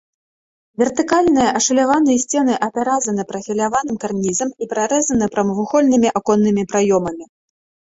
Вертыкальныя ашаляваныя сцены апяразаны прафіляваным карнізам і прарэзаны прамавугольнымі аконнымі праёмамі.